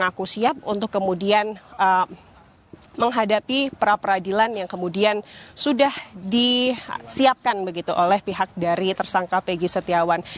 mengaku siap untuk kemudian menghadapi pra peradilan yang kemudian sudah disiapkan begitu oleh pihak dari tersangka pegi setiawan